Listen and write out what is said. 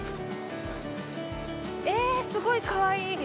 えぇすごいかわいい！